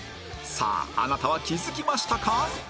さああなたは気づきましたか？